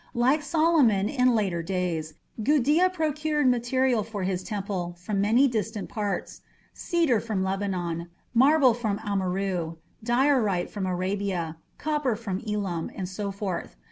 Like Solomon in later days, Gudea procured material for his temple from many distant parts cedar from Lebanon, marble from Amurru, diorite from Arabia, copper from Elam, and so forth.